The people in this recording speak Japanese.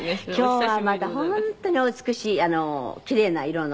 今日はまた本当にお美しいキレイな色の。